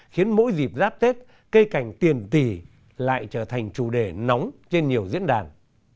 khiến mỗi dịp giáp tết cây cảnh tiền tỷ lại trở thành chủ đề nóng trên nhiều diễn đàn